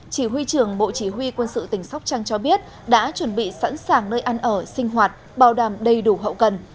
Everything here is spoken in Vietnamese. chỉ huy trưởng bộ chỉ huy quân sự tỉnh sóc trăng cho biết đã chuẩn bị sẵn sàng nơi ăn ở sinh hoạt bảo đảm đầy đủ hậu cần